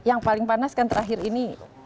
yang paling panas kan terakhir ini